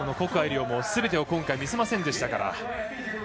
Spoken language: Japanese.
谷愛凌もすべてを今回見せませんでしたから。